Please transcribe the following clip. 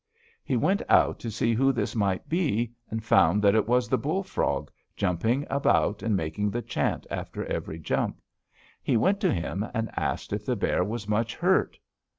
"He went out to see who this might be, and found that it was the bull frog, jumping about and making the chant after every jump. He went to him and asked if the bear was much hurt?